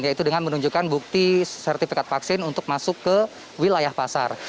yaitu dengan menunjukkan bukti sertifikat vaksin untuk masuk ke wilayah pasar